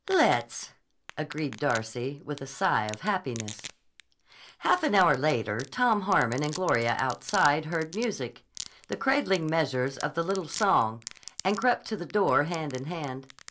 "Let's," agreed Darcy with a sigh of happiness. Half an hour later Tom Harmon and Gloria outside heard music, the cradling measures of the little song, and crept to the door hand in hand.